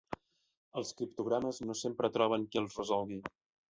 Els criptogrames no sempre troben qui els resolgui.